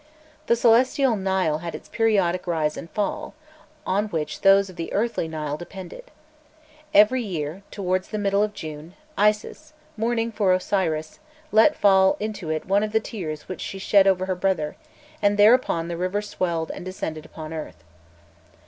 The celestial Nile had its periodic rise and fall, on which those of the earthly Nile depended. Every year, towards the middle of June, Isis, mourning for Osiris, let fall into it one of the tears which she shed over her brother, and thereupon the river swelled and descended upon earth.